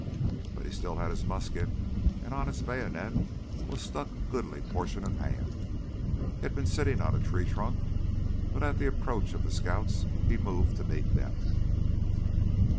But he still had his musket, and on its bayonet was stuck a goodly portion of ham. He had been sitting on a tree trunk, but at the approach of the scouts he moved to meet them.